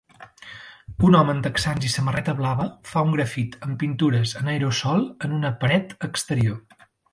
Un home en texans i samarreta blava fa un grafit amb pintures en aerosol en una paret exterior.